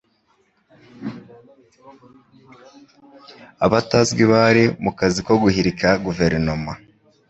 Abatazwi bari mu kazi ko guhirika guverinoma